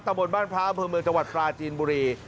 บนบ้านพระอำเภอเมืองจังหวัดปราจีนบุรี